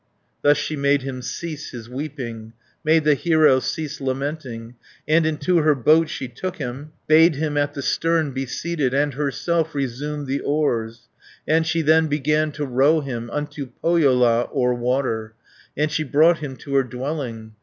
Thus she made him cease his weeping, Made the hero cease lamenting; And into her boat she took him, Bade him at the stern be seated, And herself resumed the oars, And she then began to row him 230 Unto Pohjola, o'er water, And she brought him to her dwelling.